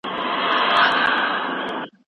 که انلاین منابع متنوع وي، زده کړه یکنواخته نه کيږي.